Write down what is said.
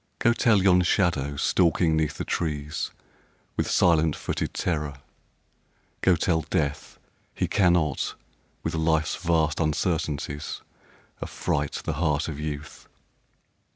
Go tell yon shadow stalking 'neath the trees With silent footed terror, go tell Death He cannot with Life's vast uncertainties Affright the heart of Youth